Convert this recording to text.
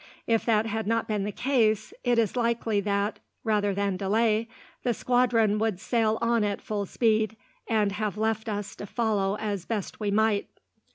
If that had not been the case, it is likely that, rather than delay, the squadron would sail on at full speed, and have left us to follow as best we might."